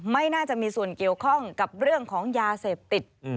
ไม่น่าจะมีส่วนเกี่ยวข้องกับเรื่องของยาเสพติด